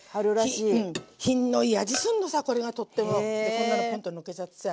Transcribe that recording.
こんなのポンとのっけちゃってさ。